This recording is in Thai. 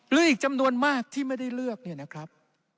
หรืออีกจำนวนมากที่ไม่ได้เลือกเนี่ยนะครับ